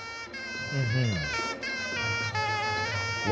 อื้อฮือ